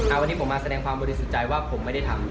วันนี้ผมมาแสดงความบริสุทธิ์ใจว่าผมไม่ได้ทำ